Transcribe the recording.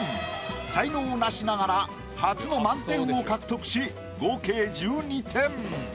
才能ナシながら初の満点を獲得し合計１２点。